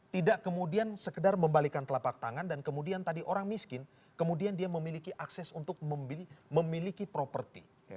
tidak kemudian sekedar membalikan telapak tangan dan kemudian tadi orang miskin kemudian dia memiliki akses untuk memiliki properti